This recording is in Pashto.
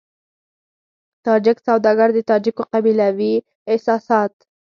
تاجک سوداګر د تاجکو قبيلوي احساسات.